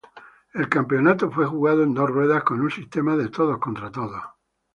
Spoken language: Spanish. El campeonato fue jugado en dos ruedas con un sistema de todos-contra-todos.